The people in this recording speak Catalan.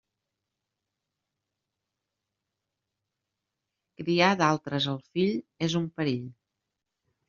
Criar d'altres el fill és un perill.